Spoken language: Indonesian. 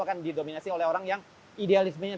akan didominasi oleh orang yang idealismenya